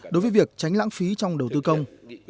đối với việc tránh lãng phí trong đầu tư công